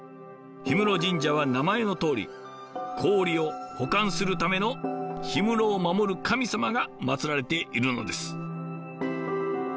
氷室神社は名前のとおり氷を保管するための氷室を守る神様がまつられているのです。